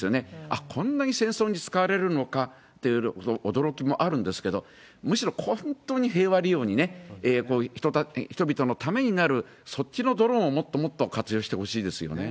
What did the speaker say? あっ、こんなに戦争に使われるのかという驚きもあるんですけど、むしろ本当に平和利用にね、こういう人々のためになる、そっちのドローンをもっともっと活用してほしいですよね。